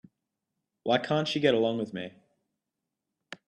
Why can't she get along with me?